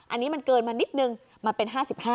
อันนี้มันเกินมานิดนึงมันเป็น๕๕